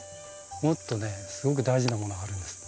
もっとねすごく大事なものがあるんです。